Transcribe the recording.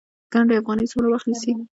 ګنډ افغاني څومره وخت نیسي؟